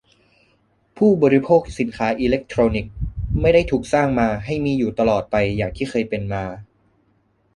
ผู้บริโภคสินค้าอิเลคโทรนิกส์ไม่ได้ถูกสร้างมาให้มีอยู่ตลอดไปอย่างที่เคยเป็นมา